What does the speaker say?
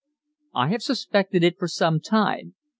"I have suspected it for some time.